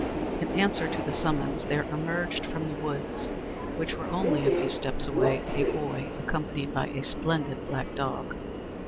In answer to the summons there emerged from the woods, which were only a few steps away, a boy, accompanied by a splendid black dog.